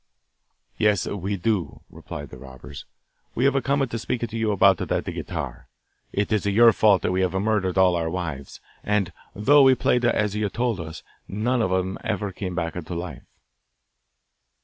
'Yes, we do,' replied the robber; 'we have come to speak to you about that guitar. It is your fault that we have murdered all our wives; and, though we played as you told us, none of them ever came back to life.